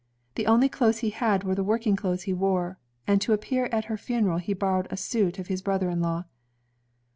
The only clothes he had were the working clothes he wore, and to appear at her funeral he borrowed a suit of his brother in law.